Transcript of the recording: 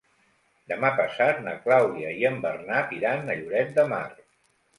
Demà passat na Clàudia i en Bernat iran a Lloret de Mar.